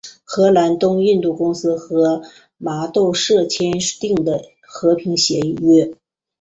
荷兰东印度公司和麻豆社签订的和平协约。